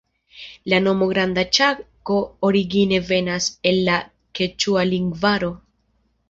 La nomo Granda Ĉako origine venas el la keĉua lingvaro.